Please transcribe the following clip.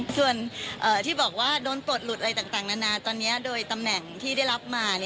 ส่วนที่บอกว่าโดนปลดหลุดอะไรต่างนานาตอนนี้โดยตำแหน่งที่ได้รับมา